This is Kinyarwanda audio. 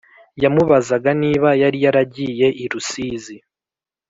yamubazaga niba yari yaragiye i rusizi